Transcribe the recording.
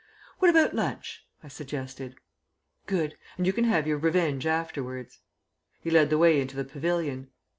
"What about lunch?" I suggested. "Good; and you can have your revenge afterwards." He led the way into the pavilion.